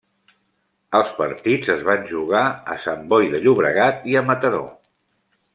Els partits es van jugar a Sant Boi de Llobregat i a Mataró.